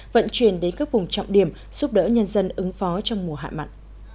vận chuyển đến các vùng trọng điểm giúp đỡ nhân dân ứng phó trong mùa hạ mặn